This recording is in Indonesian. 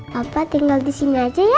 papa tinggal disini aja ya